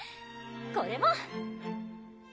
これも！